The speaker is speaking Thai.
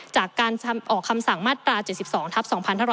จากการออกคำสั่งมาตรา๗๒ทัพ๒๕๖๒